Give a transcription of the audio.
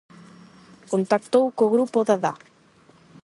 Contactou co grupo Dadá.